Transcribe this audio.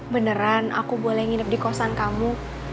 beneran aku boleh nginep di kosan kamu